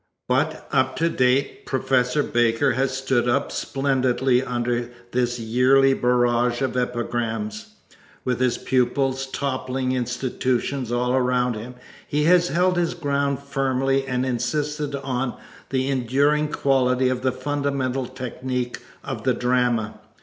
But up to date Professor Baker has stood up splendidly under this yearly barrage of epigrams. With his pupils toppling institutions all around him he has held his ground firmly and insisted on the enduring quality of the fundamental technic of the drama.